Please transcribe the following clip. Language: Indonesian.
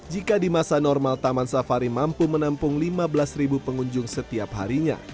jika di masa normal taman safari mampu menampung lima belas pengunjung setiap harinya